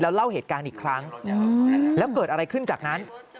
เล่าเหตุการณ์อีกครั้งแล้วเกิดอะไรขึ้นจากนั้น